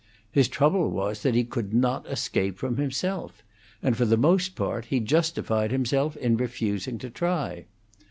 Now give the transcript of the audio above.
His trouble was that he could not escape from himself; and, for the most part, he justified himself in refusing to try.